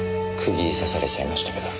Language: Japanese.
釘刺されちゃいましたけど。